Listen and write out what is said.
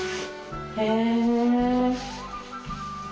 へえ。